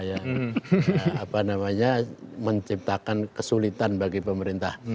apa namanya menciptakan kesulitan bagi pemerintah